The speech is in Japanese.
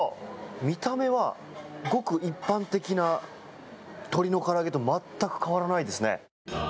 見た目はごく一般的な鶏のから揚げと全く変わらないですね。